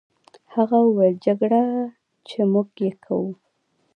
هغه وویل: جګړه، چې موږ یې کوو.